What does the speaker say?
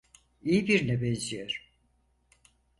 İyi birine benziyor.